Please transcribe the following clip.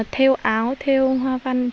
theo áo theo hoa văn